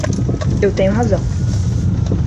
Eu tenho razão.